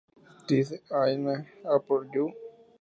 Did Anyone Approach You?